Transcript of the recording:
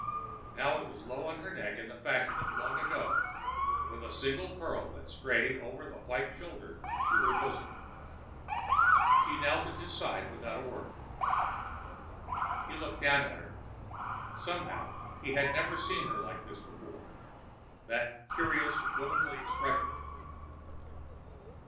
Now it was low on her neck in a fashion of long ago, with a single curl that strayed over a white shoulder to her bosom. She knelt at his side without a word. He looked down at her. Somehow he had never seen her like this before—that curious womanly expression.